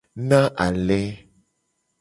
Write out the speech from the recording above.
Na ale.